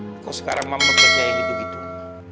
kalau sekarang mama bekerja yang hidup hidup